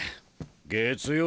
月曜。